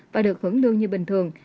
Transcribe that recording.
và được hưởng lương như bình thường